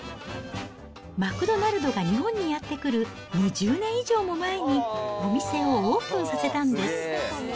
マクドナルドが日本にやって来る２０年以上も前に、お店をオープンさせたんです。